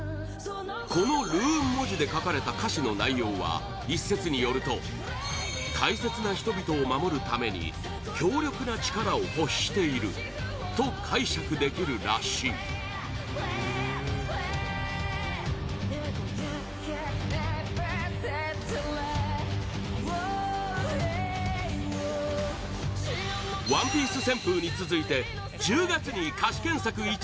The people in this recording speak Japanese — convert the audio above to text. このルーン文字で書かれた歌詞の内容は一説によると大切な人々を守るために強力な力を欲していると解釈できるらしい「ＯＮＥＰＩＥＣＥ」